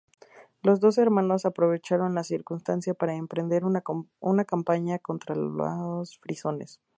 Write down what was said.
Los dos hermanos aprovecharon la circunstancia para emprender una campaña contra los frisones.